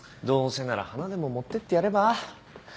どうせなら花でも持ってってやれば？